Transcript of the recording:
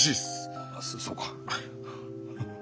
あそうか。